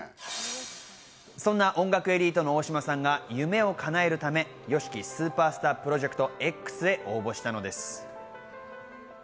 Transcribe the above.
そんな音楽エリートの大島さんが夢をかなえるため「ＹＯＳＨＩＫＩＳＵＰＥＲＳＴＡＲＰＲＯＪＥＣＴＸ」へ応募したのです。